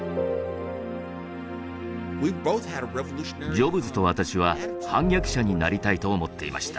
ジョブズと私は反逆者になりたいと思っていました。